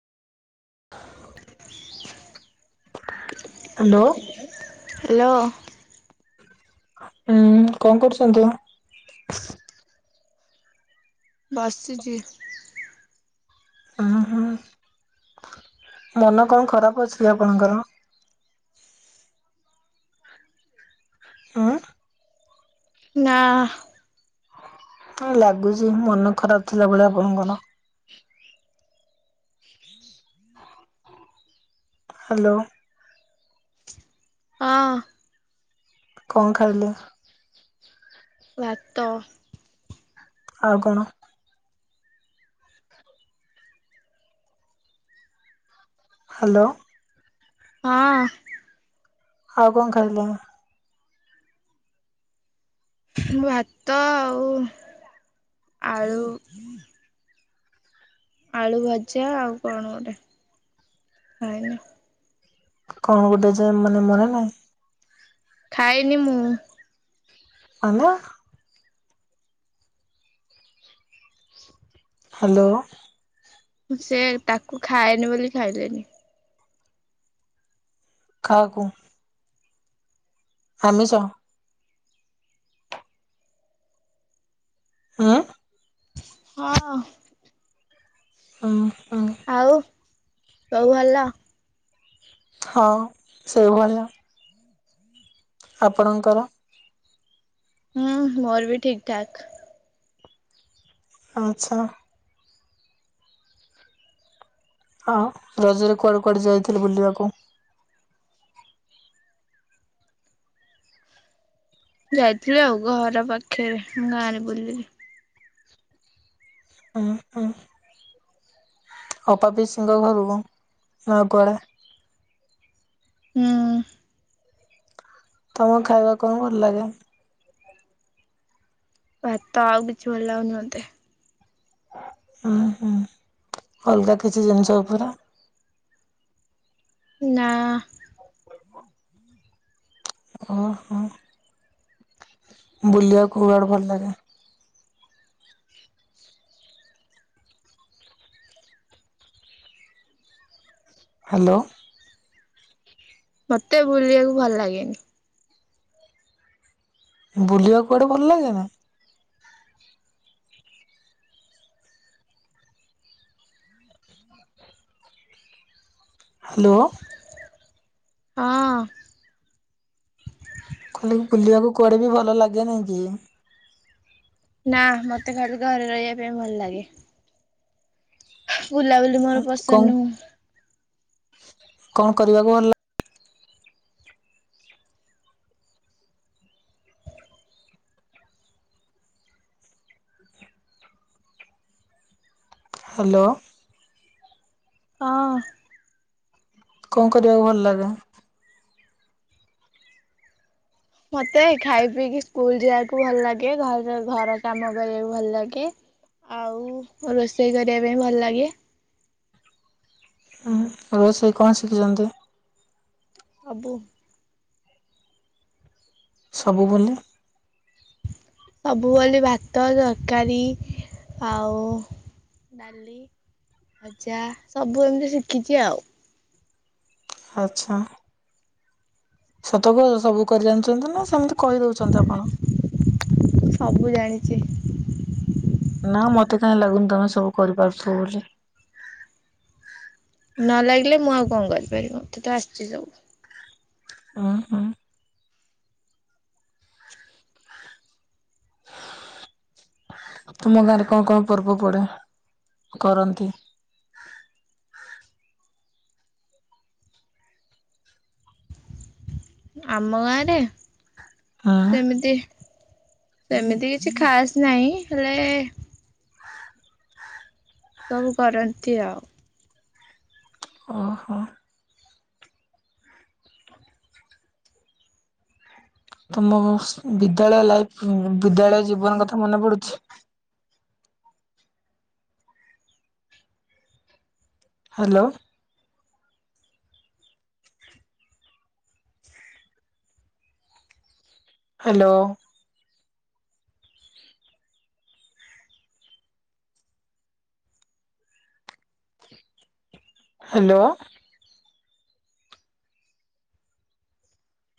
[inaudible] Hello. Hello. ହୁଁ କଣ କରୁଛନ୍ତି ମ? ବସିଚି। ହ ହୁଁ ମନ କଣ ଖରାପ ଅଛି ଆପଣଙ୍କର? ଉଁ। ନା। ଲାଗୁଛି ମନ ଖରାପ ଥିଲାବଳିଆ ଆପଣଙ୍କର। [inaudible] ହ୍ୟାଲୋ। ହଁ। କଣ ଖାଇଲେ? ଭାତ ଆଉ କଣ? ହ୍ୟାଲୋ। ହଁ। ଆଉ କଣ ଖାଇଲେ? ଭାତ ଆଉ ଆଳୁ। ଆଳୁ ଭଜା ଆଉ କଣ ଗୋଟେ ଖାଇନି। କଣ ଗୋଟେ ଯେ ମାନେ ମନେ ନାହିଁ। ଖାଇନି ମୁଁ। ମାନେ ହ୍ୟାଲୋ। ସେ ତାକୁ ଖାଏନି ବୋଲି ଖାଇଲେନି। କାହାକୁ? ଆମିଷ ଆଁ ହଁ। ହଁ ହଁ। ଆଉ ସବୁ ଭଲ। ହଁ ସେଇଭଳିଆ। ଆପଣଙ୍କର? ହୁଁ ମୋର ବି ଠିକ ଠାକ। ଆଚ୍ଛା। ହ ରଜରେ କୁଆଡ଼େ କୁଆଡ଼େ ଯାଇଥିଲି ବୁଲିବାକୁ? ଯାଇଥିଲି ଆଉ ଘର ପାଖରେ ମୁଁ ଗାଁରେ ବୁଲିଲି। [unintelligible] ଅପା ପିଇସିଙ୍କ [unintelligible] ଆଉ କୁଆଡେ ହୁଁ। ତମକୁ ଖାଇବା କଣ ଭଲ ଲାଗେ? ଭାତ ଆଉ କିଛି ଭଲ ଲାଗୁନି ମୋତେ। ଉଁ ହୁଁ। ଅଲଗା କିଛି ଜିନିଷ ଉପରେ? ନା। ଅ ହଁ। ବୁଲିବାକୁ କୋଉଆଡେ ଭଲ ଲାଗେ? ହାଲୋ। ମତେ ବୁଲିବାକୁ ଭଲ ଲାଗେନି। ବୁଲିବାକୁୁ କୁଆଡ଼େ ଭଲ ଲାଗେ ନା? ହାଲୋ। ହଁ। [unintelligible] ବୁଲିବାକୁ କୁଆଡ଼େ ବି ଭଲ ଲାଗେ ନାଇଁ କି? ନା, ମତେ ଖାଲି ଘରେ ରହିବା ପାଇଁ ଭଲ ଲାଗେ। ବୁଲାବୁଲି ମୋର ପସନ୍ଦ କଣ ନୁହୁଁ। କଣ କରିବାକୁ ଭଲ ଲାଗେ? ହାଲୋ। ହଁ। କଣ କରିବାକୁ ଭଲ ଲାଗେ? ମତେ ଖାଇ ପିଇକି ସ୍କୁଲ ଯିବାକୁ ଭଲ ଲାଗେ। ଘର ଘର କାମ କରିବାକୁ ଭଲ ଲାଗେ। ଆଉ ରୋଷେଇ କରିବା ପାଇଁ ଭଲ ଲାଗେ। ରୋଷେଇ କଣ ଶିଖିଛନ୍ତି? ସବୁ। ସବୁ ବୋଲେ? ସବୁ ବୋଲି ଭାତ, ତରକାରୀ ଆଉ ଡାଲି। ଭଜା ସବୁ ଏମିତି ଶିଖିଚି ଆଉ। ଆଚ୍ଛା। ସତ କହୁଚ ସବୁ କରି ଜାଣିଛନ୍ତି ନା ସେମିତି କହିଦଉଛନ୍ତି ଆପଣ। ସବୁ ଜାଣିଚି। ନା ମତେ କାଇଁ ଲାଗୁନି ତମେ ସବୁ କରିପାରୁଥିବ ବୋଲି। ନ ଲାଗିଲେ ମୁଁ ଆଉ କଣ କରିପାରିବି। ମତେ ତ ଆସିଚି ସବୁ। ଉଁ ହୁଁ। ତୁମ ଗାଁରେ କଣ କଣ ପର୍ବ ପଡେ କରନ୍ତି? ଆମ ଗାଁ ରେ [unintelligible] ସେମିତି, ସେମିତି କିଛି ଖାସ୍ ନାହିଁ। ହେଲେ ସବୁ କରନ୍ତି ଆଉ। ଓ ହୋ। ତମ ବିଦ୍ୟାଳୟ ଲାଇଫ୍ ବିଦ୍ୟାଳୟ ଜୀବନ କଥା ମନେ ପଡୁଚି। ହାଲୋ। ହ୍ୟାଲୋ। ହ୍ୟାଲୋ।